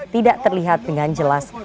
tidak terlihat dengan jelas